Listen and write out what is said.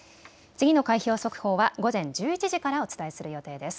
次の開票速報は午前１１時からお伝えする予定です。